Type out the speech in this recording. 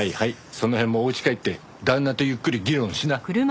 その辺もお家帰って旦那とゆっくり議論しな。